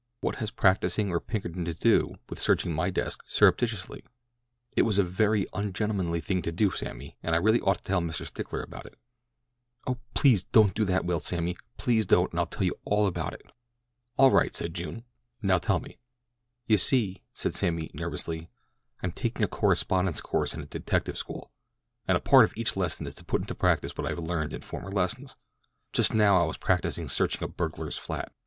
"What has practising or Pinkerton to do with searching my desk surreptitiously? It was a very ungentlemanly thing to do, Sammy, and I really ought to tell Mr. Stickler about it." "Oh, please don't do that," wailed Sammy. "Please don't and I'll tell you all about it." "All right," said June, "now tell me." "You see," said Sammy nervously, "I'm taking a correspondence course in a detective school, and a part of each lesson is to put into practise what I have learned in former lessons. Just now I was practising searching a burglar's flat.